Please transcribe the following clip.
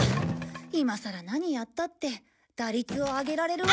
今さら何やったって打率を上げられるわけ。